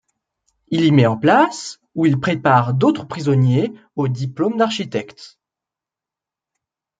Il y met en place où il prépare d'autres prisonniers au diplôme d'architecte.